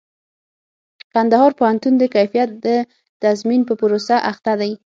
کندهار پوهنتون د کيفيت د تضمين په پروسه اخته دئ.